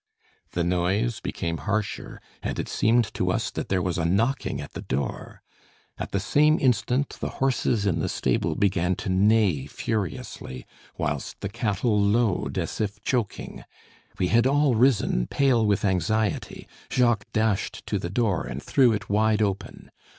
The noise became harsher, and it seemed to us that there was a knocking at the door. At the same instant, the horses in the stable began to neigh furiously, whilst the cattle lowed as if choking. We had all risen, pale with anxiety, Jacques dashed to the door and threw it wide open.